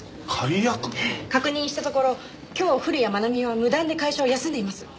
確認したところ今日古谷愛美は無断で会社を休んでいます。